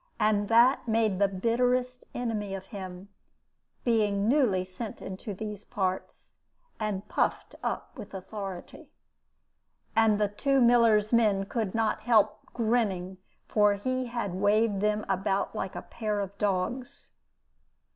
And that made the bitterest enemy of him, being newly sent into these parts, and puffed up with authority. And the two miller's men could not help grinning, for he had waved them about like a pair of dogs.